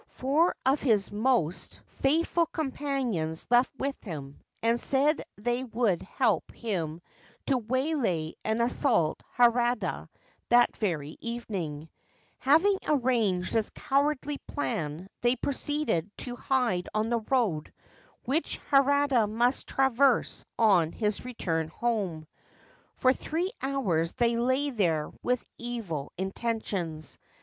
Four of his most 336 HARADA AND GUNDAYU FENCING The White Serpent God faithful companions left with him, and said they would help him to waylay and assault Harada that very evening. Having arranged this cowardly plan, they proceeded to hide on the road which Harada must traverse on his return home. For three hours they lay there with evil intentions.